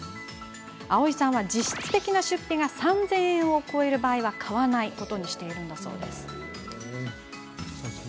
あおいさんは、実質的な出費が３０００円を超える場合は買わないことにしているんだそうです。